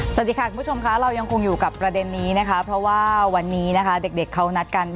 สวัสดีค่ะคุณผู้ชมค่ะเรายังคงอยู่กับประเด็นนี้นะคะเพราะว่าวันนี้นะคะเด็กเขานัดกัน